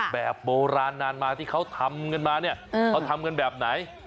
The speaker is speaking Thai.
แบบโบราณนานมาที่เขาทำกันมาเนี่ยเขาทำกันแบบไหน